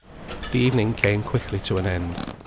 The evening came quickly to an end.